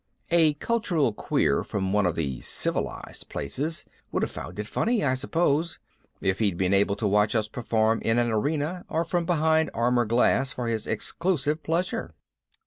A cultural queer from one of the "civilized" places would have found it funny, I suppose, if he'd been able to watch us perform in an arena or from behind armor glass for his exclusive pleasure.